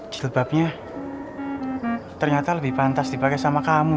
jilbabnya ternyata lebih pantas dipake sama kamu ya